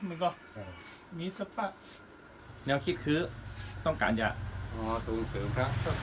มันก็มีสัปดาห์แนวคิดคือต้องการอย่างอ๋อสูงเสริมครับ